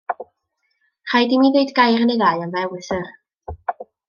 Rhaid i mi ddweud gair neu ddau am fy ewythr.